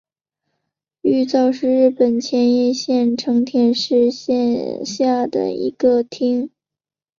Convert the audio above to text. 玉造是日本千叶县成田市下辖的一个町。